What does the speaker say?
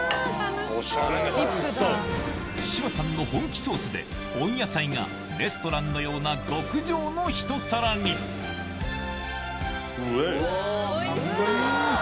志麻さんの本気ソースで温野菜がレストランのような極上のひと皿にうぇい。